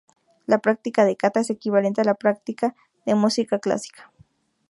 La práctica de "kata" es equivalente a la práctica de música clásica.